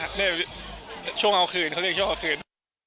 เดี๋ยวช่วงเอาคืนเขาเรียกช่วงเอาคืน